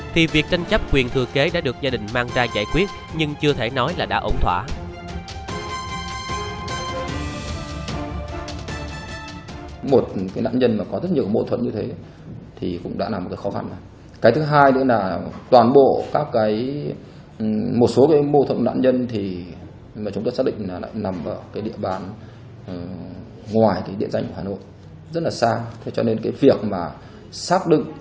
thì việc tranh chấp quyền thừa kế đã được gia đình mang ra giải quyết nhưng chưa thể nói là đã ổn thỏa